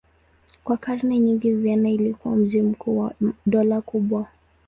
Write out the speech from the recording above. Kwa karne nyingi Vienna ilikuwa mji mkuu wa dola kubwa.